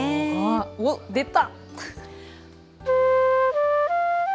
おっ、出た。